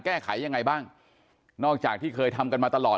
แก้ไขยังไงบ้างนอกจากที่เคยทำกันมาตลอด